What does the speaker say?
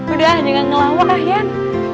udah jangan ngelawak ah yan